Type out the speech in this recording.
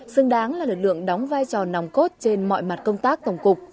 xứng đáng là lực lượng đóng vai trò nòng cốt trên mọi mặt công tác tổng cục